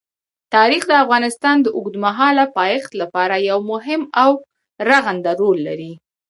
تاریخ د افغانستان د اوږدمهاله پایښت لپاره یو مهم او رغنده رول لري.